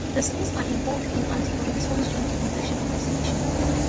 These cells are involved in antibody response during an infection or vaccination.